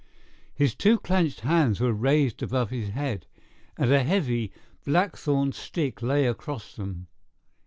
His two clenched hands were raised above his head, and a heavy, blackthorn stick lay across them.